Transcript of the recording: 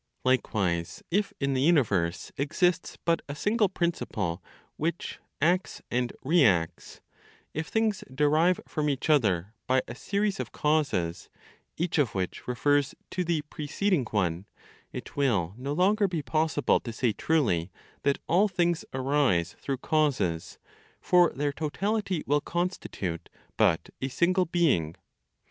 Likewise, if in the universe exists but a single principle which "acts and reacts," if things derive from each other by a series of causes each of which refers to the preceding one, it will no longer be possible to say truly that all things arise through causes, for their totality will constitute but a single being.